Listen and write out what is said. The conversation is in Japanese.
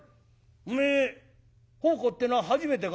おめえ奉公ってのは初めてか？」。